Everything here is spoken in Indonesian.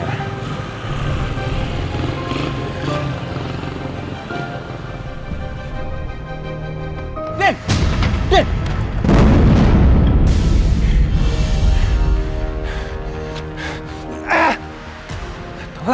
tapi dia mau ke sana